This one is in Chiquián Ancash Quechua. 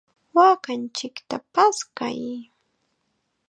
¡Waakanchikta paskay!